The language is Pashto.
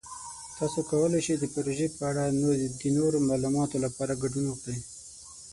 تاسو کولی شئ د پروژې په اړه د نورو معلوماتو لپاره ګډون وکړئ.